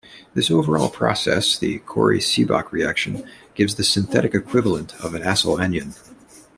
This overall process, the Corey-Seebach reaction, gives the synthetic equivalent of an acyl anion.